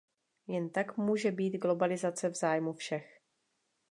Jen tak může být globalizace v zájmu všech.